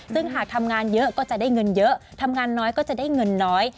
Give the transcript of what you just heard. ซึ่งหากทำงานเยอะก็จะได้เงินเยอะทำงานน้อยก็จะได้เงินน้อย